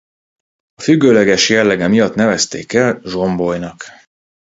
A függőleges jellege miatt nevezték el zsombolynak.